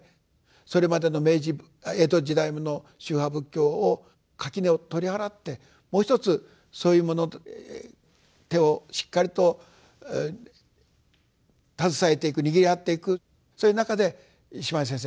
それまでの江戸時代の宗派仏教を垣根を取り払ってもう一つそういうものと手をしっかりと携えていく握り合っていくそういう中で島地先生